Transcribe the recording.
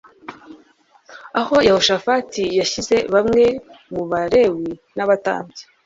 aho Yehoshafati yashyize bamwe bAbalewi nabatambyi